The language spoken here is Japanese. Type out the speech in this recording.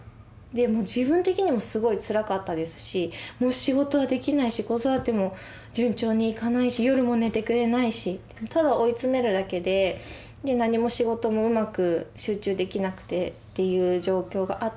自分的にもすごいつらかったですし仕事はできないし子育ても順調にいかないし夜も寝てくれないしただ追い詰めるだけで何も仕事もうまく集中できなくてっていう状況があったので。